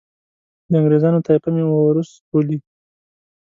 د انګریزانو طایفه مې اوروس بولي.